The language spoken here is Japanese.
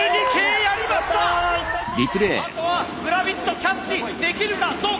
あとはグラビットキャッチできるかどうか！